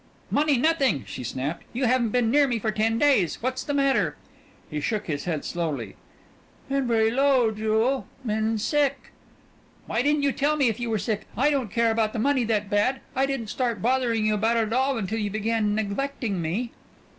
"Money nothing!" she snapped. "You haven't been near me for ten days. What's the matter?" He shook his head slowly. "Been very low, Jewel. Been sick." "Why didn't you tell me if you were sick. I don't care about the money that bad. I didn't start bothering you about it at all until you began neglecting me."